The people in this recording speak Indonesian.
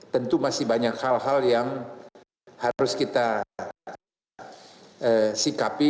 tentu masih banyak hal hal yang harus kita sikapi